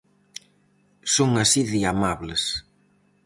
Son así de amables.